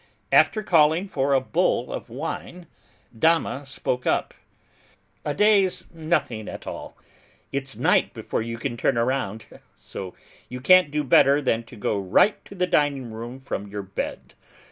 After calling for a bowl of wine, Dama spoke up, "A day's nothing at all: it's night before you can turn around, so you can't do better than to go right to the dining room from your bed.